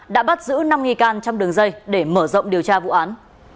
đã bắt giữ năm nghi can trong đường dây để mở rộng điều tra vụ án